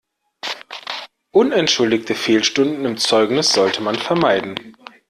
Unentschuldigte Fehlstunden im Zeugnis sollte man vermeiden.